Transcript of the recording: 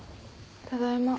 ただいま。